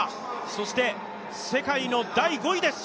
そして世界の第５位です。